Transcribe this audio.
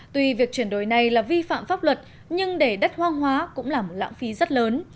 tuy việc chuyển đổi này là vi phạm pháp luật nhưng để đất hoang hóa cũng là một lãng phí rất lớn